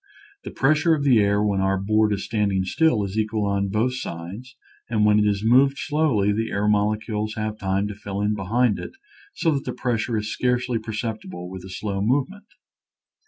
The pressure of the air when our board is standing still is equal on both sides, and when it is moved slowly the air molecules have time to fill in behind it so that the pressure is scarcely per ceptible with a slow movement.